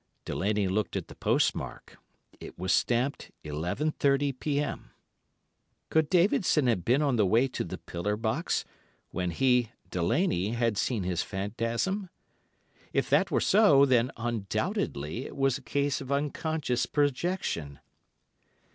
"Delaney looked at the postmark; it was stamped 11.30 p.m. Could Davidson have been on the way to the pillar box, when he (Delaney) had seen his phantasm? If that were so, then, undoubtedly, it was a case of unconscious projection.